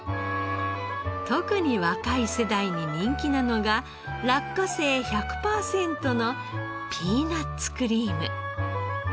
特に若い世代に人気なのが落花生１００パーセントのピーナッツクリーム。